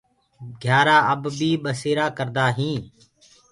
گھيآرآ اب بي ٻسيرآ ڪري هينٚ